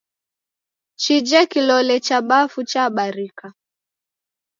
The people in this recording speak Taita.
Chije kilole cha bafu chabarika